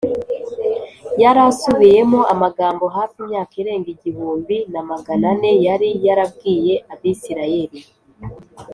” Yari asubiyemo amagambo, hafi imyaka irenga igihumbi na magana ane yari yarabwiye Abisiraheli